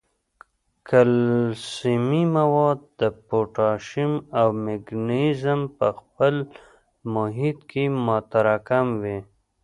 کلسیمي مواد، پوټاشیم او مګنیزیم په خپل محیط کې متراکم کوي.